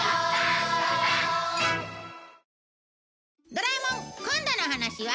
『ドラえもん』今度のお話は？